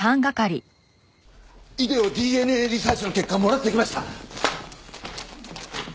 イデオＤＮＡリサーチの結果もらってきました。